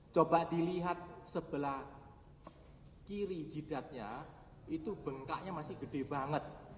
coba dilihat sebelah kiri jidatnya itu bengkaknya masih gede banget